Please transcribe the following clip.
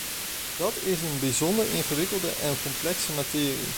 Dat is een bijzonder ingewikkelde en complexe materie.